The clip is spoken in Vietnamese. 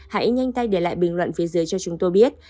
hãy nhanh tay để lại bình luận phía dưới cho chúng tôi biết